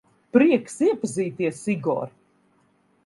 Prieks iepazīties, Igor.